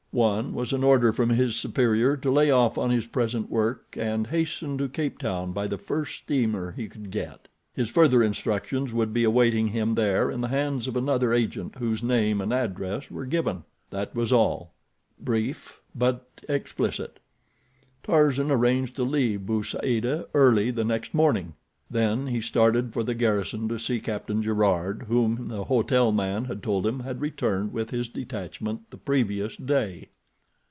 One was an order from his superior to lay off on his present work, and hasten to Cape Town by the first steamer he could get. His further instructions would be awaiting him there in the hands of another agent whose name and address were given. That was all—brief but explicit. Tarzan arranged to leave Bou Saada early the next morning. Then he started for the garrison to see Captain Gerard, whom the hotel man had told him had returned with his detachment the previous day.